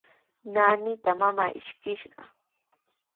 Naanitraw mamaa ishkishqa.